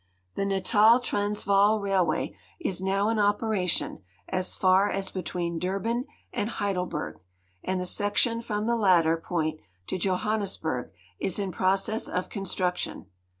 The Natul Transvaal railway is now in operation as far as between Durban and Heidelberg, and the section from the latter jioint to Johannesburg is in process of construction.